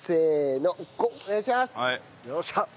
よっしゃ！